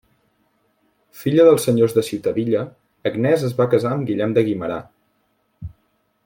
Filla dels senyors de Ciutadilla, Agnès es va casar amb Guillem de Guimerà.